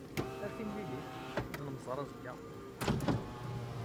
Ar timlilit. Ad nemẓer azekka.